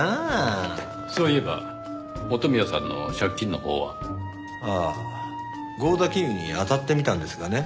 そういえば元宮さんの借金のほうは？ああ合田金融にあたってみたんですがね。